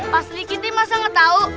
pas serigiti masa ngetahu